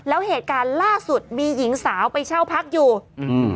แล้วเหตุการณ์ล่าสุดมีหญิงสาวไปเช่าพักอยู่อืม